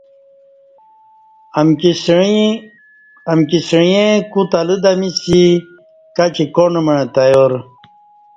امکی سعیئں کو تلہ دمیسی کاچی کاݨ مع تیار